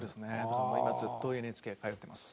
もう今ずっとＮＨＫへ通ってます。